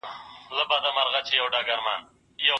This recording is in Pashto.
د باندي الوزي د ژمي ساړه توند بادونه